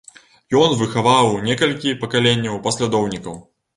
Ён выхаваў некалькі пакаленняў паслядоўнікаў.